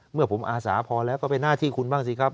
เมื่อผมอาสาพอแล้วก็เป็นหน้าที่คุณบ้างสิครับ